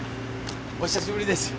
お久しぶりです。